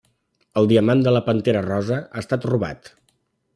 El diamant de la Pantera Rosa ha estat robat.